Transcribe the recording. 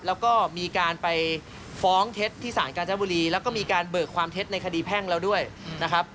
แล้วก็มีการไปฟ้องเท็จที่สารกาญจนบุรีแล้วก็มีการเบิกความเท็จในคดีแพ่งแล้วด้วยนะครับ